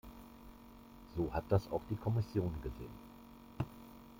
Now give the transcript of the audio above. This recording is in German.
So hat das auch die Kommission gesehen.